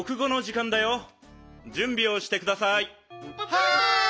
はい！